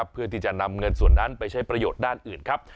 เพื่อที่จะนำเงินส่วนนั้นไปใช้ประโยชน์ด้านอื่นครับ